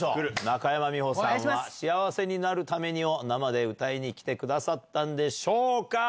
中山美穂さんは幸せになるためにを生で歌いに来てくださったんでしょうか。